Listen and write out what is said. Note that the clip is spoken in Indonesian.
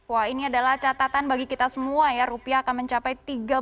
wah ini adalah catatan bagi kita semua ya rupiah akan mencapai tiga belas